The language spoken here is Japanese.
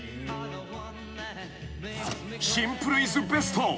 ［シンプルイズベスト］